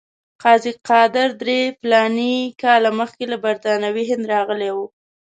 قاضي قادر درې فلاني کاله مخکې له برټانوي هند راغلی وو.